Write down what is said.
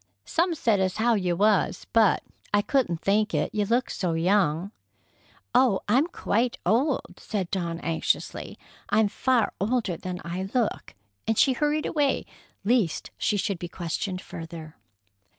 "Some said as how you was, but I couldn't think it. You look so young." "Oh, I'm quite old," said Dawn anxiously. "I'm far older than I look." And she hurried away, lest she should be questioned further.